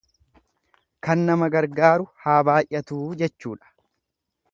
Kan nama gargaaru haa baay'atuu jechuudha.